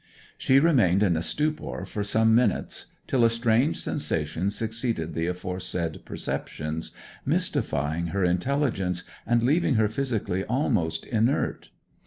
She remained in a stupor for some minutes, till a strange sensation succeeded the aforesaid perceptions, mystifying her intelligence, and leaving her physically almost inert.